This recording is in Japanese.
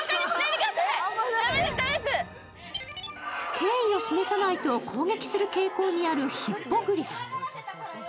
敬意を示さないと攻撃する傾向にあるヒッポグリフ。